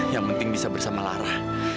yang penting bisa bersama lara